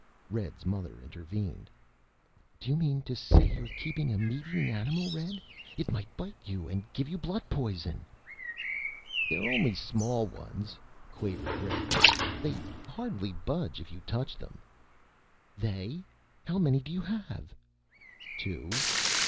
Red's mother intervened. "Do you mean to say you're keeping a meat eating animal, Red? It might bite you and give you blood poison." "They're only small ones," quavered Red. "They hardly budge if you touch them." "They? How many do you have?" "Two."